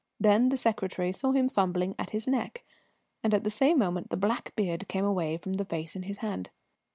Then the secretary saw him fumbling at his neck, and at the same moment the black beard came away from the face in his hand.